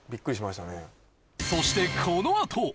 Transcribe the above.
そしてこのあと！